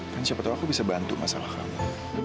kan siapa tahu aku bisa bantu masalah kamu